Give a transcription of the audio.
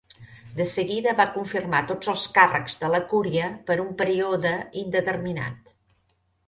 De seguida va confirmar tots els càrrecs de la cúria per un període indeterminat.